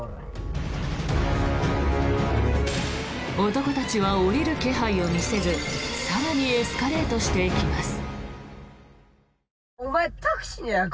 男たちは降りる気配を見せず更にエスカレートしていきます。